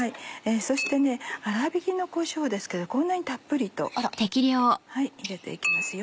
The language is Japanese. そして粗びきのこしょうですけどこんなにたっぷりと入れて行きますよ。